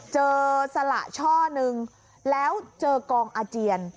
สละช่อนึงแล้วเจอกองอาเจียน